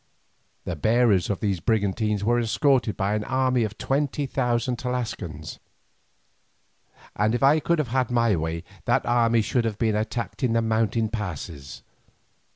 The bearers of these brigantines were escorted by an army of twenty thousand Tlascalans, and if I could have had my way that army should have been attacked in the mountain passes.